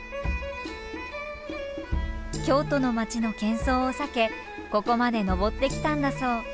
京都の街のけん騒を避けここまで登ってきたんだそう。